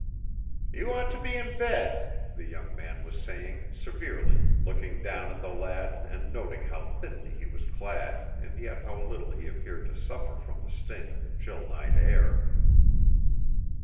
"You ought to be in bed," the young man was saying, severely, looking down at the lad and noting how thinly he was clad and yet how little he appeared to suffer from the sting of the chill night air.